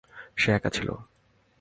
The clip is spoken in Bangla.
সে একা ছিল।